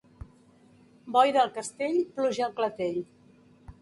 Boira al castell, pluja al clatell.